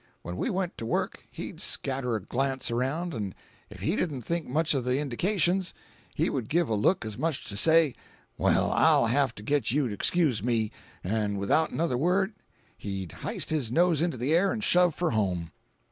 When we went to work, he'd scatter a glance around, 'n' if he didn't think much of the indications, he would give a look as much as to say, 'Well, I'll have to get you to excuse me,' 'n' without another word he'd hyste his nose into the air 'n' shove for home.